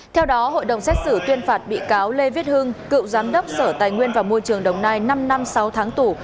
theo đó hội đồng xét xử tuyên phạt bị cáo lê viết hưng cựu giám đốc sở tài nguyên và môi trường đồng nai năm năm sáu tháng tù